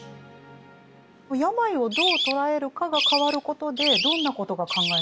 病をどう捉えるかが変わることでどんなことが考えられるんですか？